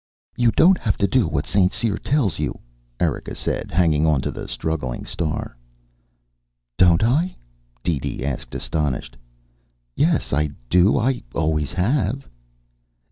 "You don't have to do what St. Cyr tells you," Erika said, hanging onto the struggling star. "Don't I?" DeeDee asked, astonished. "Yes, I do. I always have."